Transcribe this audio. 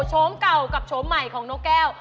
โฉมเก่ากับโฉมใหม่ของนกแก้ว